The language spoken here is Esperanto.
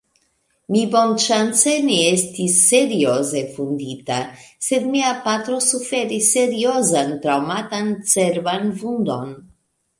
Mi bonŝance ne estis serioze vundita, sed mia patro suferis seriozan traŭmatan cerban vundon.